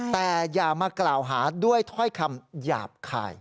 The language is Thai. แต่อย่ามากล่าวหาด้วยถ้อยคำหยาบคาย